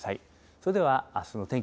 それではあすの天気